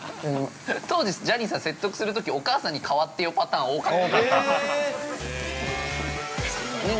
◆当時ジャニーさん、説得するとき、お母さんに代わってよパターン、多かったよね。